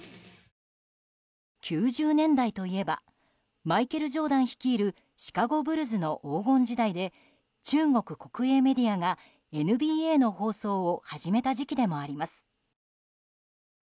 ９０年代といえばマイケル・ジョーダン率いるシカゴ・ブルズの黄金時代で中国国営メディアが、ＮＢＡの放送を始めた時期でもあります。